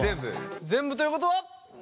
全部ということは！？